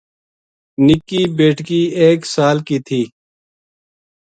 نِکی بیٹکی ایک سال کی تھی